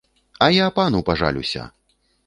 А я пану пажалюся!